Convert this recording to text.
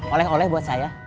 oleh oleh buat saya